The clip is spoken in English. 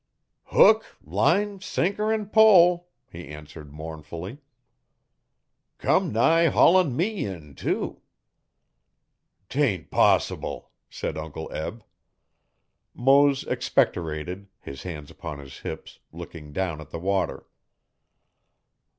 'Hook, line, sinker 'n pole,' he answered mournfully. 'Come nigh haulin' me in tew.' ''Tain't possible,' said Uncle Eb. Mose expectorated, his hands upon his hips, looking down at the water.